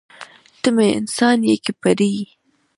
ته مې انسان یې که پیری.